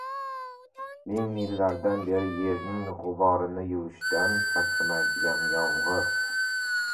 Ming yillardan beri yerning gʻuborini yuvishdan charchamaydigan yomgʻir...